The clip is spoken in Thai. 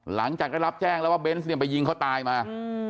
หลังจากได้รับแจ้งแล้วว่าเบนส์เนี่ยไปยิงเขาตายมา